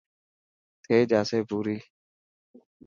ٿي جاسي پوري.